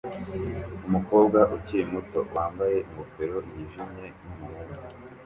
Umukobwa ukiri muto wambaye ingofero yijimye n'umuhungu